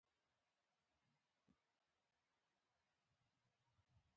خوړل د علمي توان سبب کېږي